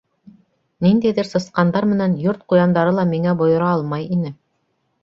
Ниндәйҙер сысҡандар менән йорт ҡуяндары ла миңә бойора алмай ине.